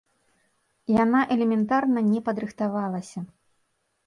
Яна элементарна не падрыхтавалася.